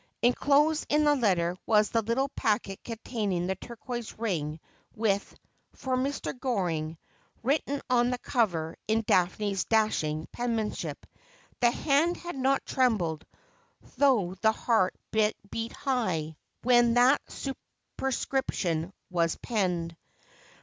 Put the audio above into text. Enclosed m the letter was the little packet containing the turquoise ring, with ' For Mr. G oring ' written on the cover in Daphne's dashing penmanship. The hand had not trembled, though the heart beat high, when that superscription was penned.